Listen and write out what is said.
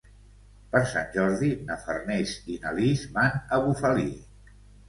Per Sant Jordi na Farners i na Lis van a Bufali.